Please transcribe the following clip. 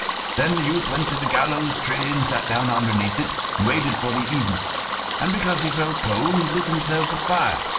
Then the youth went to the gallows tree and sat down underneath it, and waited for the evening; and because he felt cold he lit himself a fire.